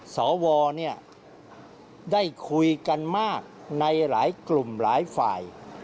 สวได้คุยกันมากในหลายกลุ่มหลายฝ่าย